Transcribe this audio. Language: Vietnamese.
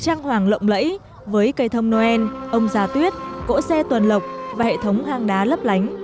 trang hoàng lộng lẫy với cây thông noel ông già tuyết cỗ xe tuần lọc và hệ thống hang đá lấp lánh